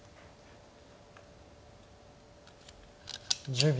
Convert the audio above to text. １０秒。